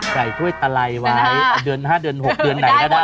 ถ้วยตะไลไว้เดือน๕เดือน๖เดือนไหนก็ได้